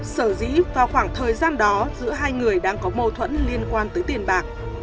sở dĩ vào khoảng thời gian đó giữa hai người đang có mâu thuẫn liên quan tới tiền bạc